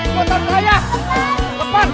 motor saya lepasin